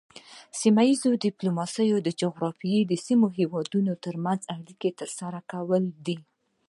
سیمه ایز ډیپلوماسي د جغرافیایي سیمې هیوادونو ترمنځ اړیکې ترسره کول دي